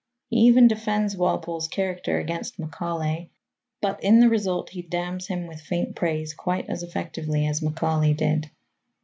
He even defends Walpole's character against Macaulay, but in the result he damns him with faint praise quite as effectively as Macaulay did.